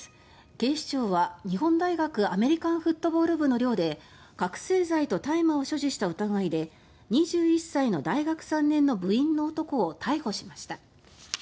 警視庁は日本大学アメリカンフットボール部の寮で覚醒剤と大麻を所持した疑いで２１歳の大学３年の部員の男を逮捕しました。